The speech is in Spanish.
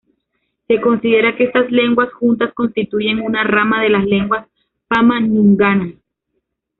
Se considera que estas lenguas juntas constituyen una rama de las lenguas pama-ñunganas.